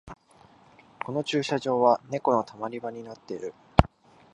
この駐車場はネコのたまり場になってる